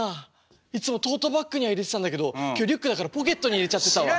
いつもトートバッグには入れてたんだけど今日リュックだからポケットに入れちゃってたわ。